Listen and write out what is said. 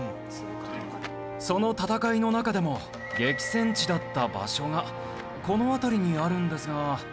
その戦いの中でも激戦地だった場所がこの辺りにあるんですが。